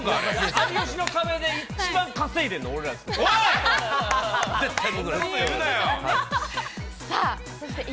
有吉の壁で一番稼いでるの、おい！